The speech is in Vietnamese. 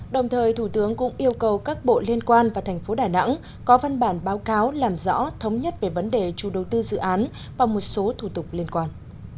đồng thời thủ tướng cũng yêu cầu các bộ liên quan và thành phố đà nẵng có văn bản báo cáo làm rõ thống nhất về vấn đề chủ đầu tư dự án và một số thủ tục liên quan